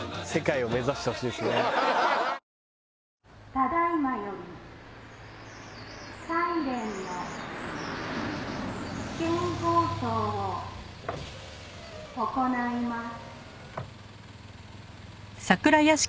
「ただ今よりサイレンの試験放送を行います」